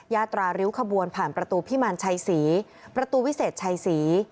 ยาตราริ้วขบวนผ่านประตูพิมารชัยศรีประตูวิเศษชัยศรี